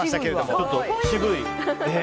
ちょっと渋い。